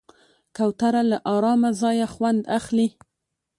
کوتره له آرامه ځایه خوند اخلي.